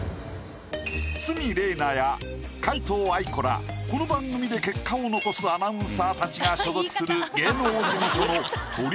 鷲見玲奈や皆藤愛子らこの番組で結果を残すアナウンサーたちが所属する。